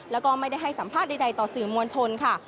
แล้วก็ไม่ได้ให้สัมภาษณ์ใดต่อสื่อมวลชนค่ะ